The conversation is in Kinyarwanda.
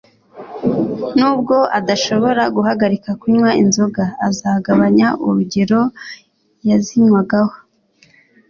Nubwo adashobora guhagarika kunywa inzoga, azagabanya urugero yazinywagaho